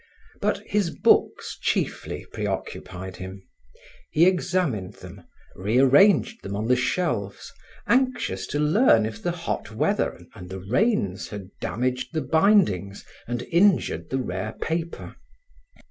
But his books chiefly preoccupied him. He examined them, re arranged them on the shelves, anxious to learn if the hot weather and the rains had damaged the bindings and injured the rare paper.